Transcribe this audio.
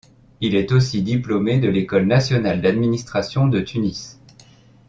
Il est aussi diplômé de l'École nationale d'administration de Tunis.